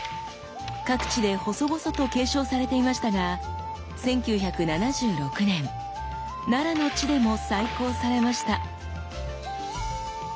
各地で細々と継承されていましたが１９７６年奈良の地でも再興されました。